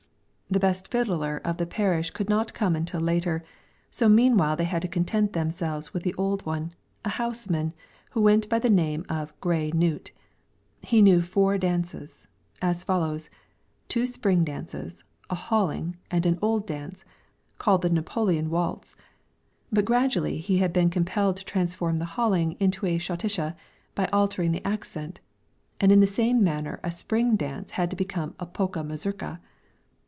The best fiddler of the parish could not come until later, so meanwhile they had to content themselves with the old one, a houseman, who went by the name of Gray Knut. He knew four dances; as follows: two spring dances, a halling, and an old dance, called the Napoleon waltz; but gradually he had been compelled to transform the halling into a schottishe by altering the accent, and in the same manner a spring dance had to become a polka mazurka.